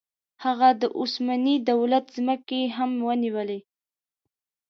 هغه د عثماني دولت ځمکې هم ونیولې.